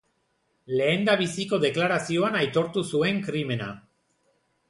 Lehendabiziko deklarazioan aitortu zuen krimena.